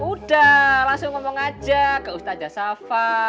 udah langsung ngomong aja ke ustazah syafa